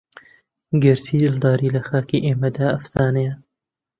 گەر چی دڵداری لە خاکی ئێمەدا ئەفسانەیە